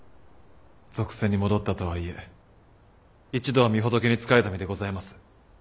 俗世に戻ったとはいえ一度は御仏に仕えた身でございます。